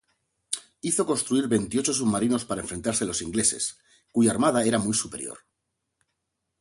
Hizo construir veintiocho submarinos para enfrentarse a los ingleses, cuya Armada era muy superior.